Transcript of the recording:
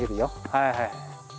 はいはいはい。